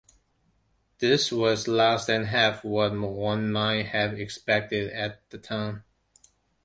This was less than half of what one might have expected at the time.